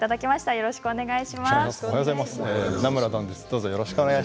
よろしくお願いします。